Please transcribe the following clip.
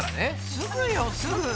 すぐよすぐ。